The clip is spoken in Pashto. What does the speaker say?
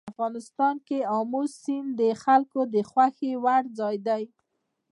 افغانستان کې آمو سیند د خلکو د خوښې وړ ځای دی.